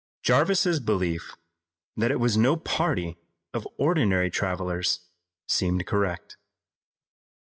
Jarvis's belief that it was no party of ordinary travelers seemed correct.